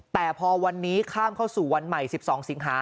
แต่ข้ามพอวันนี้วันใหม่๑๒สิงหา